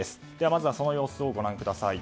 まずはその様子をご覧ください。